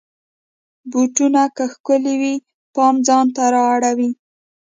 بوټونه که ښکلې وي، پام ځان ته را اړوي.